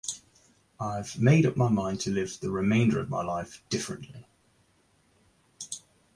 I've made up my mind to live the remainder of my life differently.